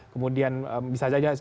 kemudian bisa saja